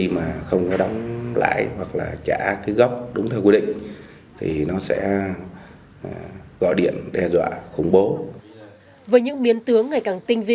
mà còn ảnh hưởng trực tiếp đến tội phạm tín dụng đen